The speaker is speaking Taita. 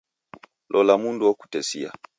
Lola mundu wokutesia.